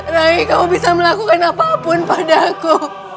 rai kamu bisa melakukan apa pun padaku